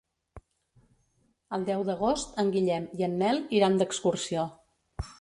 El deu d'agost en Guillem i en Nel iran d'excursió.